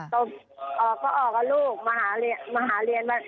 ต้องออกกับลูกมาหาเรียน